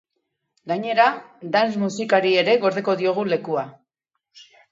Gainera, dance musiakri ere gordeko diogu lekua.